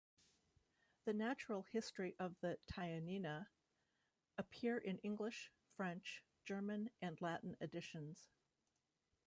The "Natural History of the Tineina" appeared in English, French, German and Latin editions.